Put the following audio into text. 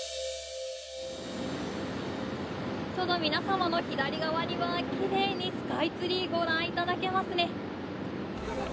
ちょうど皆様の左側にはきれいにスカイツリーご覧頂けますね。